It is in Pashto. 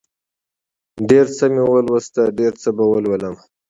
ډېر څه مې ولوست، ډېر څه به ولولمه